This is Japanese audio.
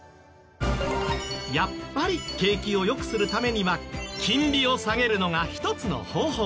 やっぱり景気を良くするためには金利を下げるのが一つの方法。